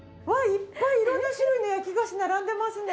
いっぱい色んな種類の焼き菓子並んでますね。